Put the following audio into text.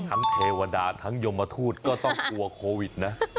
เทวดาทั้งยมทูตก็ต้องกลัวโควิดนะ